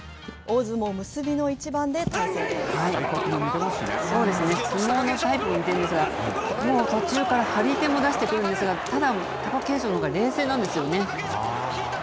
相撲のタイプも似てるんですが、もう途中から張り手も出してくるんですが、ただ貴景勝のほうが冷静なんですよね。